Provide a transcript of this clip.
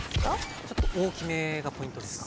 ちょっと大きめがポイントですか？